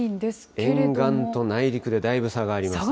沿岸と内陸でだいぶ差がありますね。